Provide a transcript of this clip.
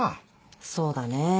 そうだね。